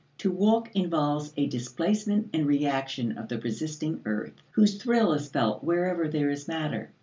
To walk involves a displacement and reaction of the resisting earth, whose thrill is felt wherever there is matter.